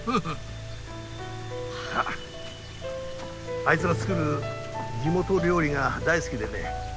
あいつの作る地元料理が大好きでね。